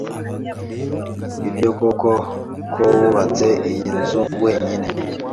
Nibyo koko ko wubatse iyi nzu wenyine?